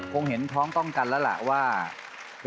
คงเห็นพร้อมต้องกันแล้วล่ะว่า